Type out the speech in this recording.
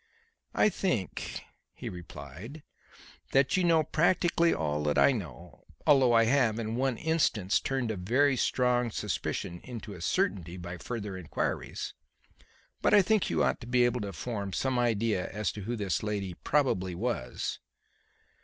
"I think," he replied, "that you know practically all that I know, although I have, in one instance, turned a very strong suspicion into a certainty by further inquiries. But I think you ought to be able to form some idea as to who this lady probably was."